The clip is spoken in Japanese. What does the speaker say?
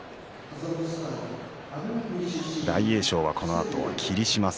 大栄翔はこのあと霧島戦